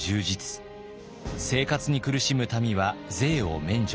生活に苦しむ民は税を免除。